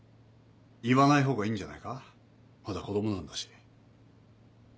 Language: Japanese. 言わないほうがいいんじゃないかまだ子供なんだし。